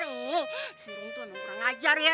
seru tuh nunggu orang ajar ya